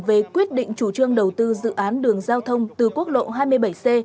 về quyết định chủ trương đầu tư dự án đường giao thông từ quốc lộ hai mươi bảy c